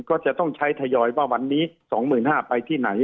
ก็จะต้องใช้ทยอยว่าวันนี้๒๕๐๐บาทไปที่ไหน